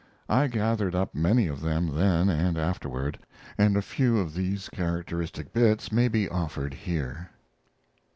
I gathered up many of them then and afterward, and a few of these characteristic bits may be offered here.